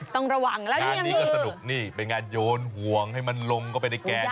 ต้องระหว่างละอันนี้ก็สนุกนี่เป็นงานโยนห่วงให้มันลงไปในแก๊ง